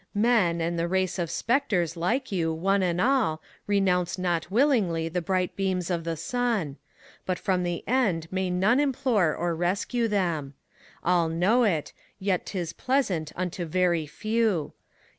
Men, and the race of spectres like you, one and all. Renounce not willingly the bright beams of the sun ; But from the end may none implore or rescue them. All know it, yet 't is pleasant unto very few.